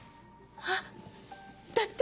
あっだって。